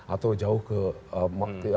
atau jauh ke sulawesi selatan makassar tadi ada